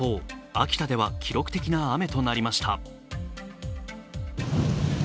秋田では記録的な雨となりました。